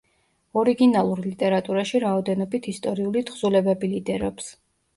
ორიგინალურ ლიტერატურაში რაოდენობით ისტორიული თხზულებები ლიდერობს.